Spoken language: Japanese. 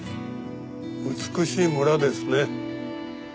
美しい村ですね。